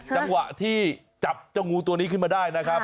จังหวะที่จับเจ้างูตัวนี้ขึ้นมาได้นะครับ